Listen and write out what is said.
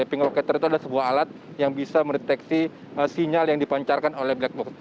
pink locator itu adalah sebuah alat yang bisa mendeteksi sinyal yang dipancarkan oleh black box